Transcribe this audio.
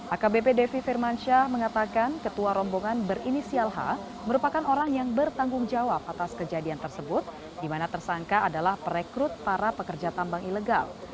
akbp devi firmansyah mengatakan ketua rombongan berinisial h merupakan orang yang bertanggung jawab atas kejadian tersebut di mana tersangka adalah perekrut para pekerja tambang ilegal